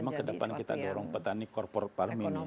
memang kedepan kita dorong petani korpor parmi ini